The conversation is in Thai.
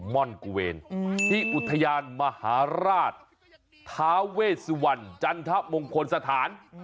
ม่อนกุเวรอุทยานมหาราชทาเวซวัณจัฐพงฝนสถาน